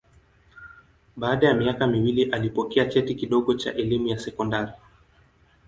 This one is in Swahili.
Baada ya miaka miwili alipokea cheti kidogo cha elimu ya sekondari.